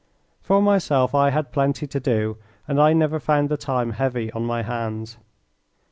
For myself I had plenty to do, and I never found the time heavy on my hands.